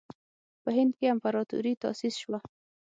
په هند کې امپراطوري تأسیس شوه.